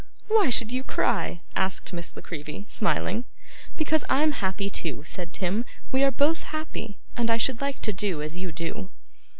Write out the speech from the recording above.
'Why should you cry?' asked Miss La Creevy, smiling. 'Because I'm happy too,' said Tim. 'We are both happy, and I should like to do as you do.